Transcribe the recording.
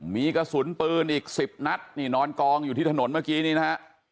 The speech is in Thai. มีกระสุนปืนอีก๑๐นัดนี่นอนกองอยู่ที่ถนนเมื่อกี้นี้นะฮะ